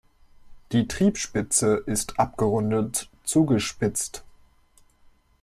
Die Triebspitze ist abgerundet zugespitzt.